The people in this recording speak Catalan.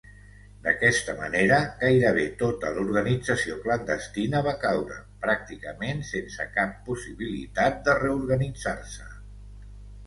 D'aquesta manera, gairebé tota l'organització clandestina va caure, pràcticament sense cap possibilitat de reorganitzar-se.